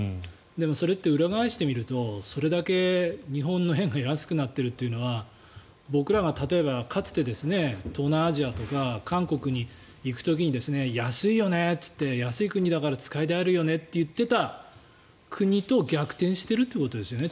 でもそれって裏返してみるとそれだけ日本の円が安くなっているというのは僕らがかつて東南アジアとか韓国に行く時に安いよねーって言って安い国だから使い出があるよねと言ってた国と逆転してるということですね。